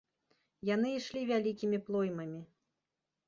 Яны ішлі вялікімі плоймамі.